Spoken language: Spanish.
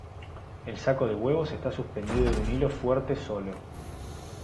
El saco de huevos está suspendido de un hilo fuerte solo.